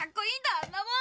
あんなもん！